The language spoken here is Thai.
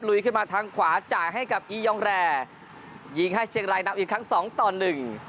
ลุยขึ้นมาทางขวาจากให้กับอียองแร่ยิงให้เชียงรายน้ำอีกครั้งสองตล๖๗๓